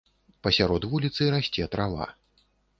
Пасярод вуліцы расце трава.